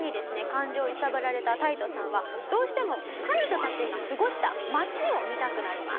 感情を揺さぶられたタイトさんはどうしても彼女たちが過ごした町を見たくなります。